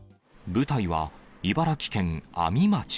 舞台は茨城県阿見町。